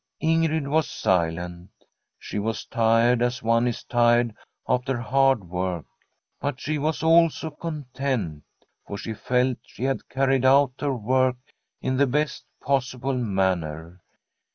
Ingrid was silent. She was tired, as one is tired after hard work; but she was also content, for she felt she had carried out her work in the best possible manner.